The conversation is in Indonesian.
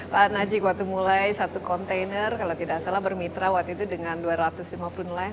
pak najik waktu mulai satu kontainer kalau tidak salah bermitra waktu itu dengan dua ratus lima puluh nelayan